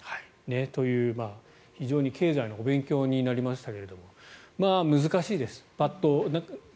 という、非常に経済のお勉強になりましたが難しいです。